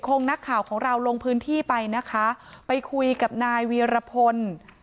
คงนักข่าวของเราลงพื้นที่ไปนะคะไปคุยกับนายวีรพล